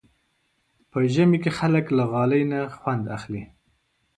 په ژمي کې خلک له غالۍ نه خوند اخلي.